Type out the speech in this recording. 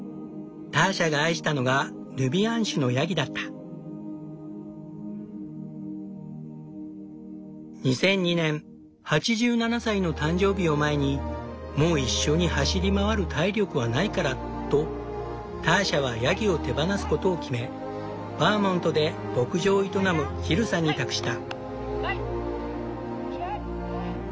ターシャが愛したのが２００２年８７歳の誕生日を前に「もう一緒に走り回る体力はないから」とターシャはヤギを手放すことを決めバーモントで牧場を営むジルさんに託した。